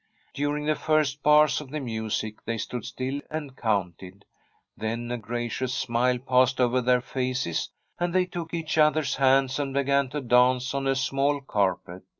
During the first bars of the music they stood still and counted, then a gracious smile passed over their faces, and they took each other's hands and began to dance on a small carpet.